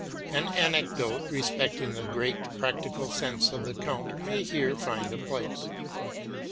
An anecdote respecting the great practical sense of the count may here find a place.